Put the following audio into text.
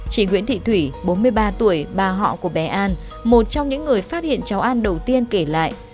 chị nguyễn thị thủy bốn mươi ba tuổi bà họ của bé an một trong những người phát hiện cháu an đầu tiên kể lại